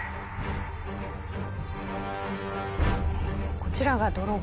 こちらが泥棒。